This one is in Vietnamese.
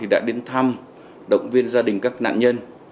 đã đến thăm động viên gia đình các nạn nhân